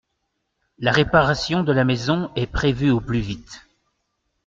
La réparation de la maison est prévue au plus vite.